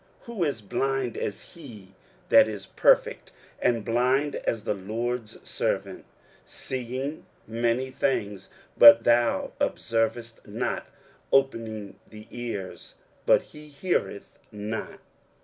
who is blind as he that is perfect, and blind as the LORD's servant? 23:042:020 Seeing many things, but thou observest not; opening the ears, but he heareth not.